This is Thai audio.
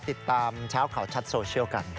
ติดตามเช้าข่าวชัดโซเชียลกัน